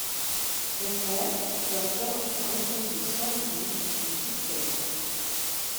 Son frère, Sir George Russell de Swallowfield, lui succède.